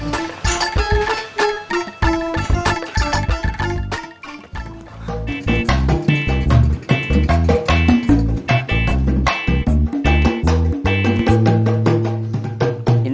kita ketemu tepat kemarin